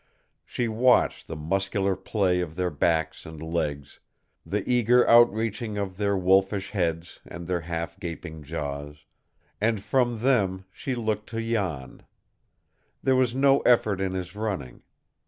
She watched the muscular play of their backs and legs, the eager outreaching of their wolfish heads, and their half gaping jaws and from them she looked to Jan. There was no effort in his running.